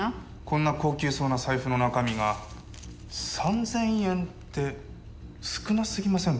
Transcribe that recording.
こんな高級そうな財布の中身が３０００円って少なすぎませんか？